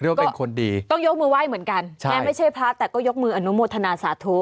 ว่าเป็นคนดีต้องยกมือไหว้เหมือนกันไม่ใช่พระแต่ก็ยกมืออนุโมทนาสาธุ